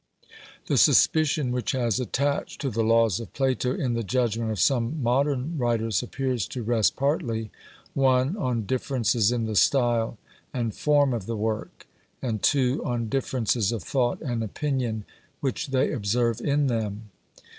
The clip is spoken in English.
The suspicion which has attached to the Laws of Plato in the judgment of some modern writers appears to rest partly (1) on differences in the style and form of the work, and (2) on differences of thought and opinion which they observe in them.